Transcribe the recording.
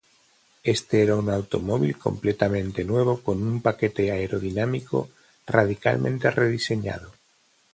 Este era un automóvil completamente nuevo con un paquete aerodinámico radicalmente rediseñado.